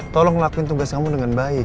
tolong ngelakuin tugas kamu dengan baik